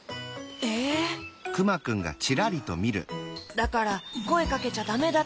だからこえかけちゃダメだって。